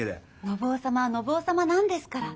信夫様は信夫様なんですから。